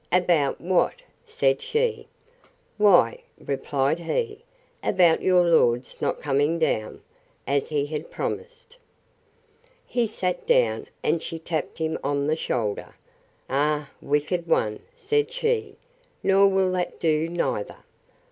About what? said she. Why, replied he, about your lord's not coming down, as he had promised. He sat down, and she tapped him on the shoulder: Ah! wicked one, said she, nor will that do neither!